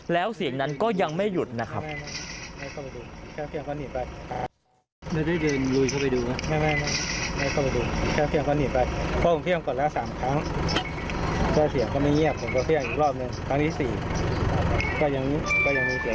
แล้วเสียงนั้นก็ยังไม่หยุดนะครับ